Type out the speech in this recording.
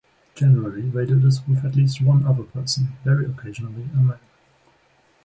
Generally they do this with at least one other person, very occasionally a man.